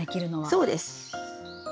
そうです。